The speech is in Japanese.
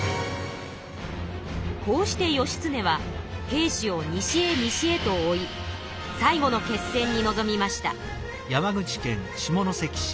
こうして義経は平氏を西へ西へと追い最後の決戦にのぞみました。